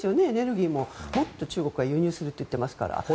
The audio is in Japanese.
エネルギーももっと中国は輸入すると言っていますから。